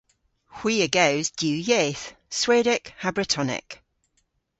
Hwi a gews diw yeth - Swedek ha Bretonek.